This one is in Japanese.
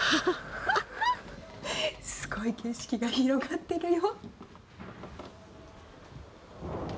すごい景色が広がってるよ。